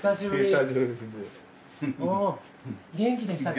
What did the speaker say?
元気でしたか？